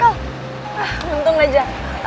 ah untung aja